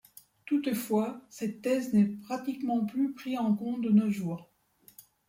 Toutefois cette thèse n'est pratiquement plus pris en compte de nos jours.